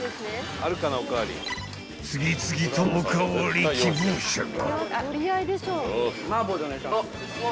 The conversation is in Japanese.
［次々とお代わり希望者が］